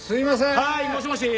はーいもしもし！